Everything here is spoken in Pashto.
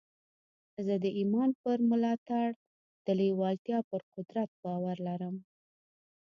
زه د ایمان پر ملاتړ د لېوالتیا پر قدرت باور لرم